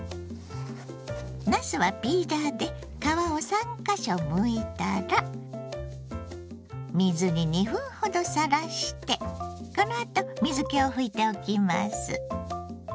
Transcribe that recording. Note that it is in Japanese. なすはピーラーで皮を３か所むいたら水に２分ほどさらしてこのあと水けを拭いておきます。